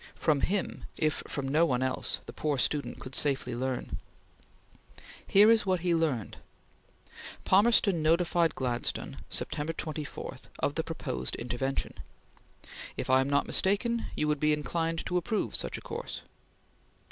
From him, if from no one else, the poor student could safely learn. Here is what he learned! Palmerston notified Gladstone, September 24, of the proposed intervention: "If I am not mistaken, you would be inclined to approve such a course."